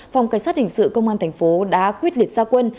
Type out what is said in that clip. phòng cảnh sát hình sự công an thành phố đã quyết liệt gia quân